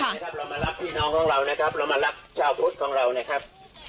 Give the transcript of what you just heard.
นะครับเรามารักพี่น้องของเรานะครับเรามารักชาวพุทธของเรานะครับ